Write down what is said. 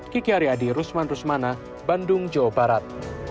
kikyari adi rusman rusmana bandung jawa barat